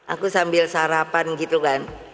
aku sambil sarapan gitu kan